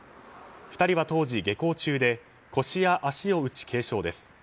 ２人は当時、下校中で腰や足を打ち軽傷です。